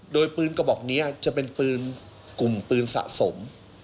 โดยปืนกระบอกนี้จะเป็นปืนกลุ่มปืนสะสม